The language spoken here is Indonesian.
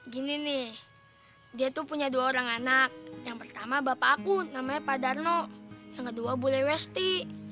gini nih dia tuh punya dua orang anak yang pertama bapak aku namanya pak darno yang kedua bulewesti